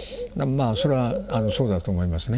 それはそうだと思いますね。